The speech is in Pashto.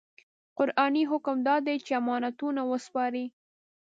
قرآني حکم دا دی چې امانتونه وسپارئ.